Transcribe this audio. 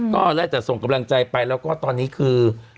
ก็ได้แต่ส่งกำลังใจไปแล้วก็ตอนนี้คือ